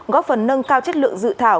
góp phần nâng cao chất lượng dự thảo